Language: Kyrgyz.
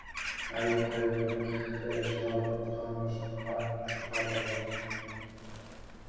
Ал кыйкырык чыгып аткан машинага чуркап барган.